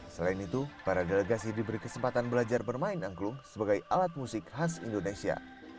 selain itu para delegasi diberi kesempatan belajar bermain angklung sebagai alat musik khas indonesia